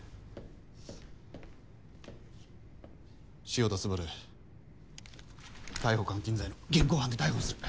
潮田昴逮捕監禁罪の現行犯で逮捕する。